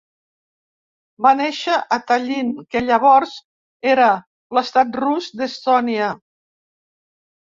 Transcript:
Va néixer a Tallinn, que llavors era l'estat rus d'Estònia.